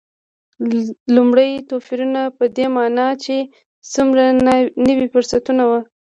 لومړ توپیرونه په دې معنا چې څومره نوي فرصتونه و.